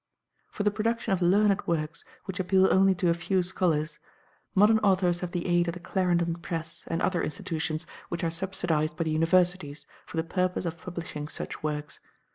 For the production of learned works which appeal only to a few scholars, modern authors have the aid of the Clarendon Press and other institutions which are subsidised by the Universities for the purpose of publishing such works.